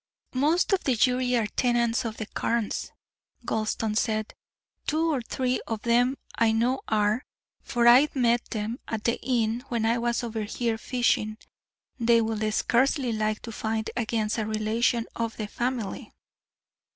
"Most of the jury are tenants of the Carnes," Gulston said; "two or three of them I know are, for I met them at the inn when I was over here fishing. They will scarcely like to find against a relation of the family."